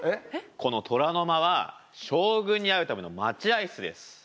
この虎の間は将軍に会うための待合室です。